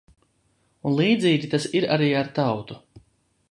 Un līdzīgi tas ir arī ar tautu.